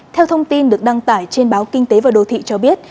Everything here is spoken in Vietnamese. theo thông tin được đăng tải trên báo kinh tế và đô thị cho biết